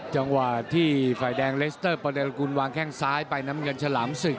จังหวะที่ฝ่ายแดงเลสเตอร์ประเดลกุลวางแข้งซ้ายไปน้ำเงินฉลามศึก